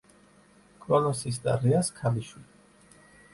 კრონოსის და რეას ქალიშვილი.